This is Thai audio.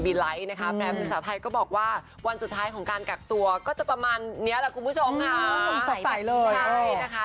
แปลวิทยาลัยศาสตร์ไทยก็บอกว่าวันสุดท้ายของการกักตัวก็จะประมาณเนี้ยแหละคุณผู้ชมค่ะอืมสะใสเลยใช่นะคะ